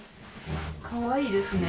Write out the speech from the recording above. かわいいですね。